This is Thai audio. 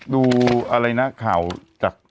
ดูอะไรนะข่าวจาก